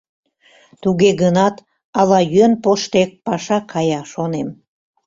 Туге гынат ала йӧн поштек паша кая, шонем.